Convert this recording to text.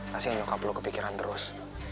kasih nyokap lo kepikiran terus